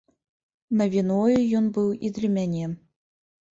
Навіною ён быў і для мяне.